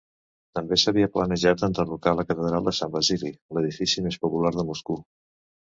També s'havia planejat enderrocar la catedral de Sant Basili, l'edifici més popular de Moscou.